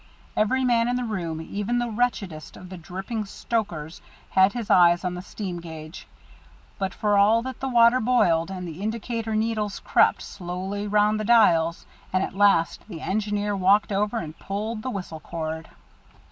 Every man in the room, even the wretchedest of the dripping stokers, had his eyes on the steam gauges, but for all that the water boiled, and the indicator needles crept slowly round the dials, and at last the engineer walked over and pulled the whistle cord.